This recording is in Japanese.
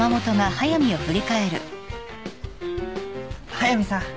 ・速見さん